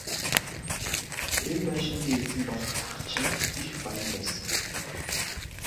Энэ байшингийн эзэн болох ах чинь их баян байсан.